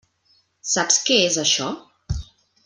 Saps què és això?